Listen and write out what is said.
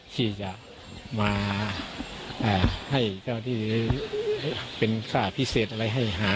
ที่จะมาให้เจ้าที่เป็นค่าพิเศษอะไรให้หา